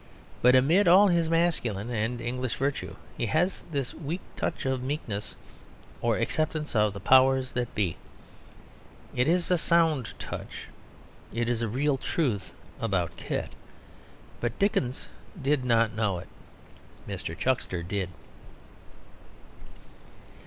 But amid all his masculine and English virtue, he has this weak touch of meekness, or acceptance of the powers that be. It is a sound touch; it is a real truth about Kit. But Dickens did not know it. Mr. Chuckster did.